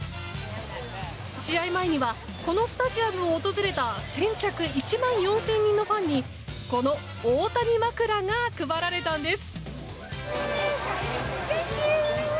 試合前にはこのスタジアムを訪れた先着１万４０００人のファンにこのオオタニ枕が配られたんです。